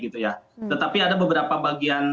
tetapi ada beberapa bagian